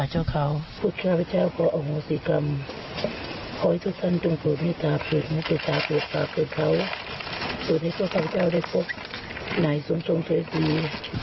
ไหนทรงทรงเทศนี้